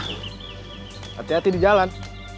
hati hati di jalan